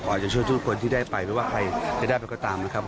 อาจจะช่วยทุกคนที่ได้ไปไม่ว่าใครจะได้ไปก็ตามนะครับ